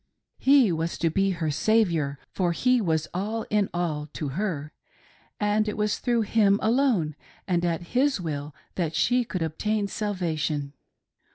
He was to be her " saviour," for he was all in all to her ; and it was through him alone and at his will that she could obtain salvation.